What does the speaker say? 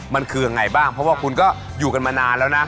มันคือยังไงบ้างเพราะว่าคุณก็อยู่กันมานานแล้วนะ